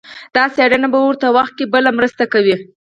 دا څېړنه په ورته وخت کې بله مرسته کوي.